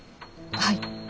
はい。